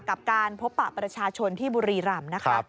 กับการพบปะประชาชนที่บุรีรำนะคะ